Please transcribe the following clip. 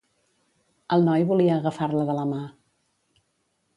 El noi volia agafar-la de la mà.